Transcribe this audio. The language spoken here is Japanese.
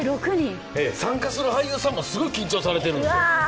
参加する俳優さんもすごい緊張してるんですよ。